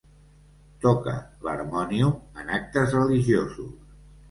Tocà l'harmònium en actes religiosos.